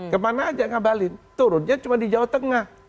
kemana aja ngabalin turunnya cuma di jawa tengah